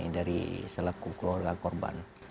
dari selaku keluarga korban